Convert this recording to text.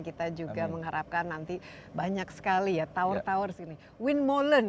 kita juga mengharapkan nanti banyak sekali ya tower tower windmolen